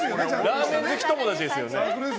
ラーメン好き友達ですね。